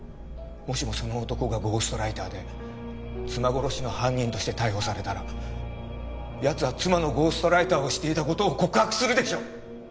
もしもその男がゴーストライターで妻殺しの犯人として逮捕されたら奴は妻のゴーストライターをしていた事を告白するでしょ！